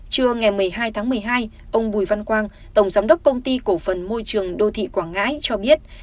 trưa ngày một mươi hai tháng một mươi hai ông bùi văn quang tổng giám đốc công ty cổ phần môi trường đô thị quảng ngãi cho biết